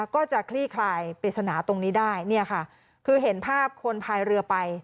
ก็จะคลี่คลายปริศนาตรงนี้ได้เนี่ยค่ะคือเห็นภาพคนพายเรือไป